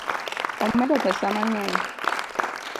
Omedo pesa mang'eny